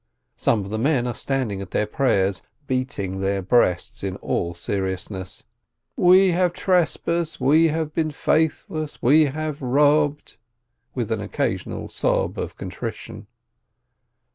Some of the men are standing at their prayers, beating their breasts in all seriousness : "We have trespassed, we have been faithless, we have robbed," with an occasional sob of contrition.